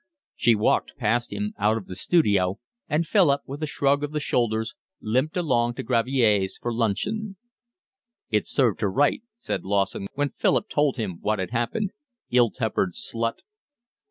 She walked past him, out of the studio, and Philip, with a shrug of the shoulders, limped along to Gravier's for luncheon. "It served her right," said Lawson, when Philip told him what had happened. "Ill tempered slut."